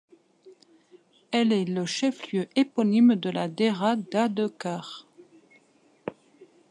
Elle est le chef-lieu éponyme de la daira d'Adekar.